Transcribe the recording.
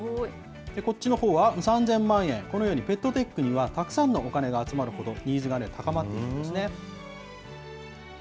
こっちのほうは３０００万円、このようにペットテックにはたくさんのお金が集まるほど、ニーズが高まっているんですね。